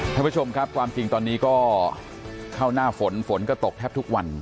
ท่านผู้ชมครับความจริงตอนนี้ก็เข้าหน้าฝนฝนก็ตกแทบทุกวัน